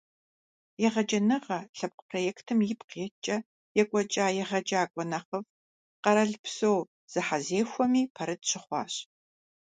«Егъэджэныгъэ» лъэпкъ проектым ипкъ иткӀэ екӀуэкӀа «егъэджакӀуэ нэхъыфӀ» къэралпсо зэхьэзэхуэми пэрыт щыхъуащ.